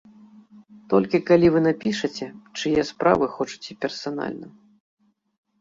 Толькі калі вы напішаце, чые справы хочаце персанальна.